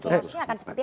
kerosnya akan seperti apa